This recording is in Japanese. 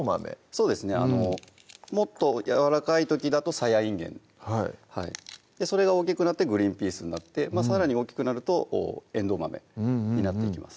そうですねもっとやわらかい時だとさやいんげんそれが大きくなってグリンピースになってさらに大きくなるとえんどう豆になっていきます